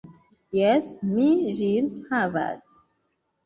Jes, mi ĝin havas.